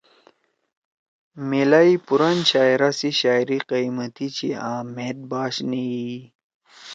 میلائی پُوران شاعرا سی شاعری قیمتی چھی آں مھید باش نے ییئی۔